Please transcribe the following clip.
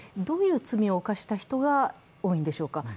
どういう罪を犯した人が多いんでしょうか？